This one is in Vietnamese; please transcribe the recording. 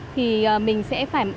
thì mình sẽ phải chịu phí nhiều lần